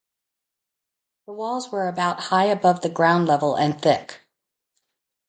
The walls were about high above the ground level and thick.